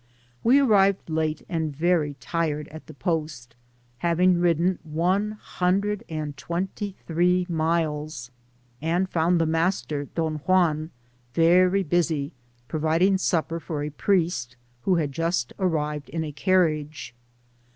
We arrived late and very tired at the post, hav ing ridden one hundred and twenty three miles, and found the master, Don Juan , very busy, pro viding supper for a priest, who had just arrived in a carriage.